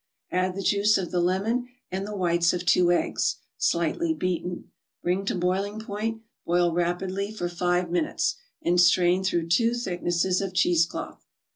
Add the juice of the lemon and the whites of two eggs, slightly beaten. Bring to boiling point, boil rapidly for five minutes, and strain through two thicknesses of cheese cloth.